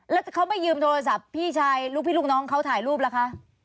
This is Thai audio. แล้วเขาไม่ยืมโทรศัพท์พี่ชายลูกพี่ลูกน้องเขาถ่ายรูปล่ะคะ